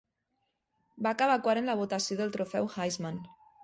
Va acabar quart en la votació del trofeu Heisman.